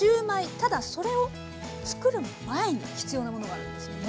ただそれを作る前に必要なものがあるんですよね？